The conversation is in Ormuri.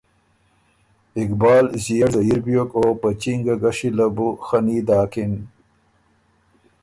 اقبال ݫيېړ زيير بیوک او په چینګه ګݭی له بو خني داکِن،